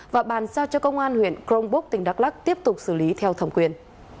và bàn sao cho công an huyện crong bốc tỉnh đắk lắc tiếp tục xử lý theo thẩm quyền